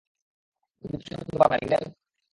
তুমি তুষার খুঁজে পাবে না, রিংটেইল।